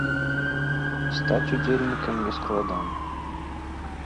Стаць удзельнікам не складана.